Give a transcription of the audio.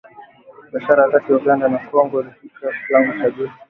Biashara kati ya Uganda na Kongo ilifikia kiwango cha juu